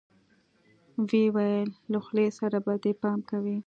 ويې ويل له خولې سره به دې پام کوې.